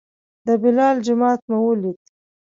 د بلال جومات مو ولید.